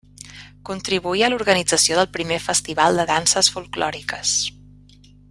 Contribuí a l'organització del primer Festival de Danses Folklòriques.